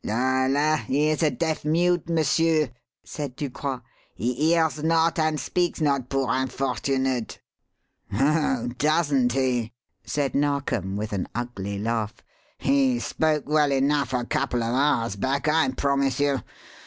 "La, la! he is a deaf mute, m'sieur," said Ducroix. "He hears not and speaks not, poor unfortunate." "Oh, doesn't he?" said Narkom with an ugly laugh. "He spoke well enough a couple of hours back, I promise you.